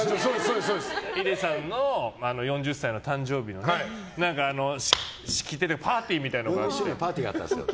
ヒデさんの４０歳の誕生日のパーティーみたいなのがあって。